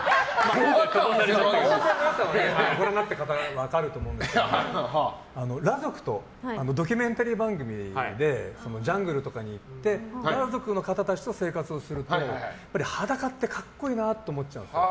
温泉の良さはね語らなくても分かると思うんですが裸族とドキュメンタリー番組でジャングルとかに行って裸族の方とかと生活すると裸って格好いいなと思っちゃうんですよ。